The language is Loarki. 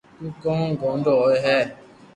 تو ڪون گوڌو ھوئي ھي